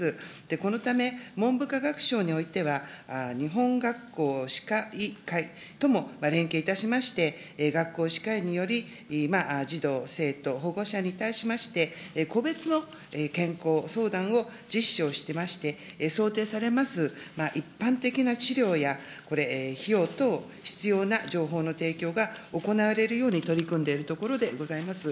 このため、文部科学省においては、日本学校歯科医会とも連携いたしまして、学校歯科医により、児童・生徒、保護者に対しまして、個別の健康相談を実施をしまして、想定されます一般的な治療や費用等、必要な情報の提供が行われるように取り組んでいるところでございます。